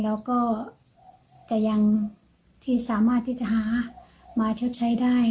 แล้วก็จะยังที่สามารถที่จะหามาชดใช้ได้